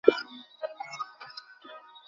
যার মানে ওরা এখানে রয়েছে।